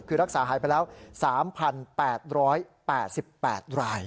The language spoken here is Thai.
คือรักษาหายไปแล้ว๓๘๘ราย